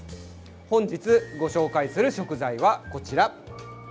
本日ご紹介する食材は、こちら。